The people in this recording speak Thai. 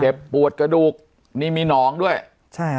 เจ็บปวดกระดูกนี่มีหนองด้วยใช่ครับ